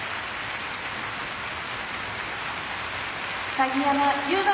鍵山優真